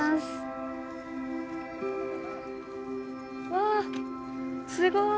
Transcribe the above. わすごい。